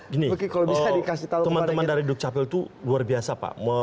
gini teman teman dari dukcapil itu luar biasa pak